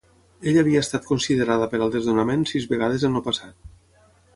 Ella havia estat considerada per al desnonament sis vegades en el passat.